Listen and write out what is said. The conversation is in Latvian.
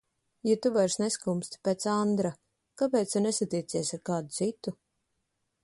Ja tu vairs neskumsti pēc Andra, kāpēc tu nesatiecies ar kādu citu?